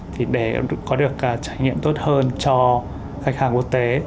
thì để có được trải nghiệm tốt hơn cho khách hàng quốc tế